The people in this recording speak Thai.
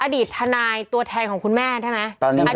อดีตทนายตัวแทนของคุณแม่ใช่ไหม